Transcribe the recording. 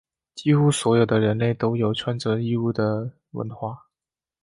几乎所有的人类都有穿着衣物的文化。